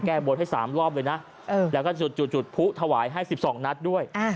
แก้บนให้๓รอบเลยนะแล้วก็จุดผู้ถวายให้๑๒นัดด้วย